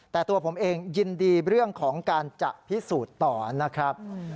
แต่ตัวผมเองยินดีเรื่องของการจะพิสูจน์ต่อนะครับ